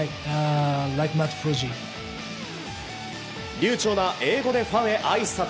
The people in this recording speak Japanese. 流ちょうな英語でファンへあいさつ。